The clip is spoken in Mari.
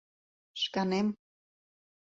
Шканем...